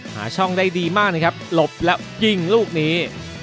หาช่องได้ดีมากนะครับหลบแล้วยิงลูกนี้